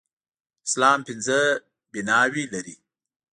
اسلام پينځه بلاوي لري.